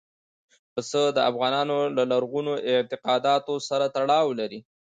پسه د افغانانو له لرغونو اعتقاداتو سره تړاو لري.